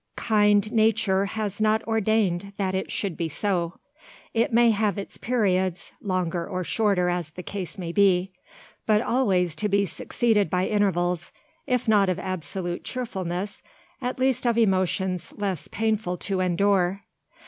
Kind Nature has not ordained that it should be so. It may have its periods, longer or shorter as the case may be; but always to be succeeded by intervals, if not of absolute cheerfulness, at least of emotions less painful to endure.